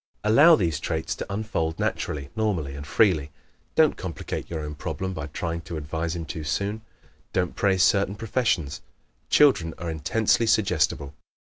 Allow these traits to unfold naturally, normally and freely. Don't complicate your own problem by trying to advise him too soon. Don't praise certain professions. Children are intensely suggestible.